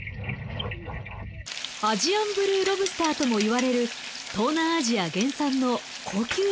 アジアンブルーロブスターともいわれる東南アジア原産の高級エビです。